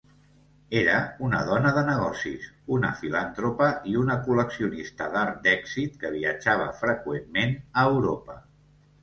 Era una dona de negocis, una filantropa i una col·leccionista d'art d'èxit que viatjava freqüentment a Europa.